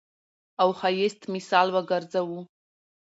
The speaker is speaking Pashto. او ښايست مثال وګرځوو.